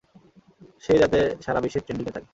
সে যাতে সারা বিশ্বে ট্রেন্ডিংয়ে থাকে।